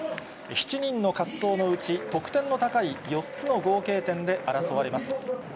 ７人の滑走のうち、得点の高い４つの合計点で争われます。